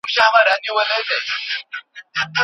فارمسي پوهنځۍ له پامه نه غورځول کیږي.